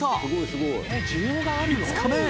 すごいすごい。